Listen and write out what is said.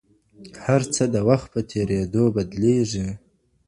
هر څه د وخت په تېرېدو بدلیږي.